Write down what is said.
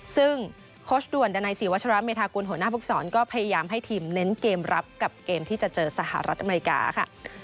ซึ่งโค้ชด่วนดันัยศรีวัชราเมธากุลหัวหน้าภูกษรก็พยายามให้ทีมเน้นเกมรับกับเกมที่จะเจอสหรัฐอเมริกาค่ะ